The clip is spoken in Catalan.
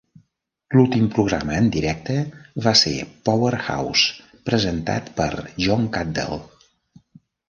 L'últim programa en directe va ser "Power house", presentat per John Caddell.